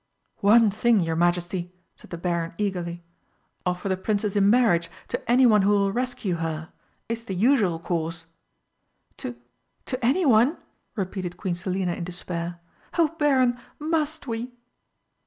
"One thing, your Majesty," said the Baron eagerly. "Offer the Princess in marriage to anyone who will rescue her. It's the usual course!" "To to anyone?" repeated Queen Selina in despair. "Oh, Baron must we?"